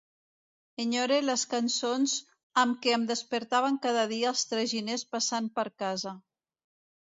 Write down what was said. Enyore les cançons amb què em despertaven cada dia els traginers passant per casa.